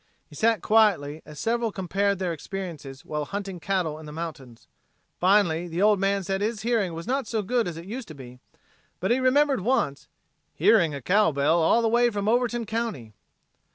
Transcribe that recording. He sat quietly as several compared their experiences while hunting cattle in the mountains. Finally the old man said his hearing was not so good as it used to be, but he remembered once "hearing a cow bell all the way from Overton county."